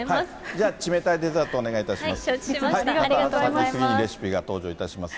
じゃあ、ちめたいデザートお願いいたします。